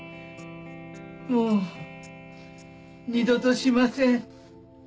もう二度としません。